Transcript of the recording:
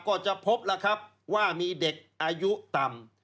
ก็จะพบแล้วครับว่ามีเด็กอายุต่ำ